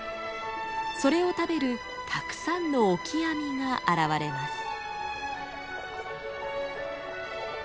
それを食べるたくさんのオキアミが現れます。